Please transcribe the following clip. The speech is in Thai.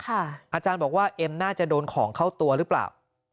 อาจารย์บอกว่าเอ็มน่าจะโดนของเข้าตัวหรือเปล่า